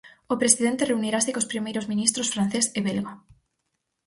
O presidente reunirase cos primeiros ministros francés e belga.